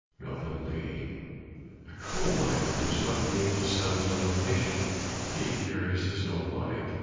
GLADNESS A coal miner does not need the sun's illumination. He carries his own light.